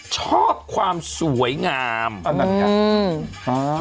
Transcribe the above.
ชอบความสวยงามนั่นค่ะอืม